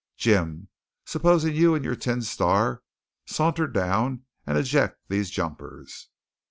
Jim, supposin' you and your tin star saunter down and eject these jumpers."